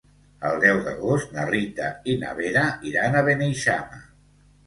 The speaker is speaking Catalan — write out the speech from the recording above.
El deu d'agost na Rita i na Vera iran a Beneixama.